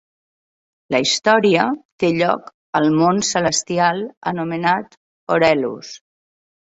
La història té lloc al món celestial anomenat Orelus.